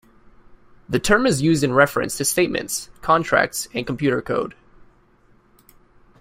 The term is used in reference to statements, contracts and computer code.